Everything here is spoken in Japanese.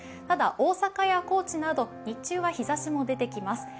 ただ、大阪や高知など日中は日ざしも出てきます。